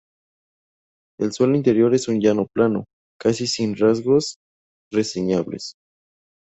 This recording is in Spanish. El suelo interior es un llano plano, casi sin rasgos reseñables.